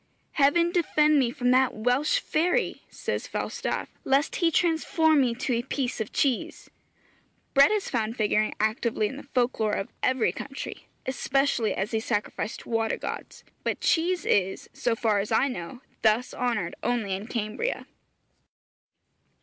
'Heaven defend me from that Welsh fairy!' says Falstaff, 'lest he transform me to a piece of cheese!' Bread is found figuring actively in the folk lore of every country, especially as a sacrifice to water gods; but cheese is, so far as I know, thus honoured only in Cambria.